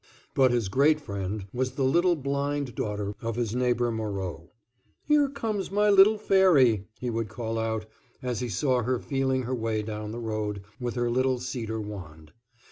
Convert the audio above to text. But his great friend was the little blind daughter of his neighbor Moreau. "Here comes my little fairy," he would call out, as he saw her feeling her way down the road with her little cedar wand.